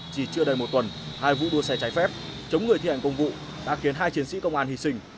chỉ chưa đầy một tuần hai vụ đua xe trái phép chống người thi hành công vụ đã khiến hai chiến sĩ công an hy sinh